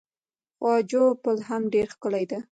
خواجو پل هم ډیر ښکلی دی.